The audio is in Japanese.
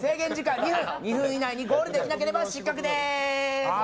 ２分以内にゴールできなければ失格です。